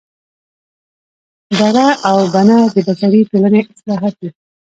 دړه او بنه د بشري ټولنې اصطلاحات دي